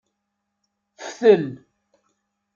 Ftel.